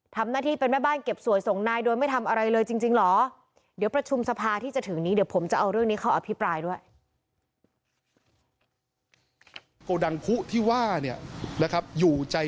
ทำหน้าที่เป็นแม่บ้านเก็บสวยส่งนายโดยไม่ทำอะไรเลยจริงหรอเดี๋ยวประชุมสภาที่จะถึงนี้เดี๋ยวผมจะเอาเรื่องนี้เข้าอภิปรายด้วย